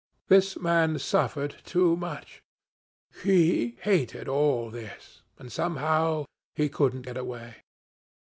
This man suffered too much. He hated all this, and somehow he couldn't get away.